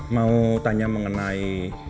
mau tanya mengenai